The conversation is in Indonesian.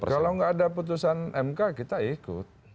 kalau nggak ada putusan mk kita ikut